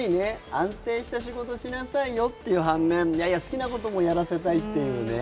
安定した仕事をしなさいよっていう反面いやいや、好きなこともやらせたいっていうね。